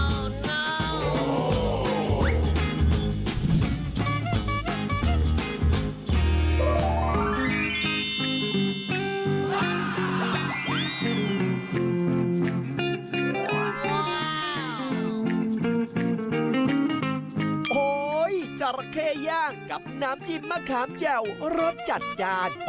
โอ้โฮจัราเคย่างกับน้ำจิ้มมะขามแจ่วรสจัดจาน